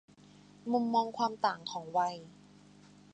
มุมมองความต่างของวัย